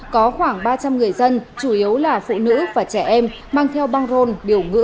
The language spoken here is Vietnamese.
có khoảng ba trăm linh người dân chủ yếu là phụ nữ và trẻ em mang theo băng rôn biểu ngữ